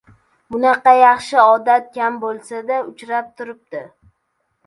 Bunaqa yaxshi odat kam bo‘lsa-da, uchrab turibdi